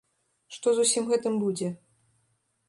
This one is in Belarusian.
Што з усім гэтым будзе?